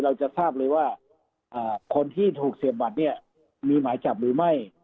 เราจะทราบเลยว่าคนที่ถูกเสียบบัตรเนี่ยมีหมายจับหรือไม่